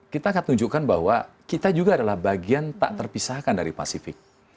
kita akan tunjukkan bahwa kita juga adalah bagian tak terpisahkan dari pasifik